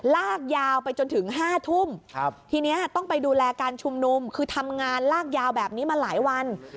ลากยาวไปจนถึง๕ทุ่มทีนี้ต้องไปดูแลการชุมนุมคือทำงานลากยาวแบบนี้มาหลายวัน